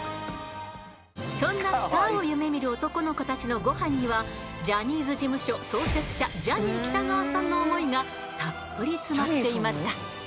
そんなスターを夢みる男の子たちのゴハンにはジャニーズ事務所創設者ジャニー喜多川さんの想いがたっぷり詰まっていました。